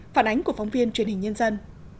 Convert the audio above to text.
phản ánh của phóng viên truyền hình nhân dân